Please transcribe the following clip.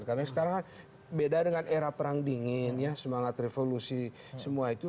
karena sekarang beda dengan era perang dingin ya semangat revolusi semua itu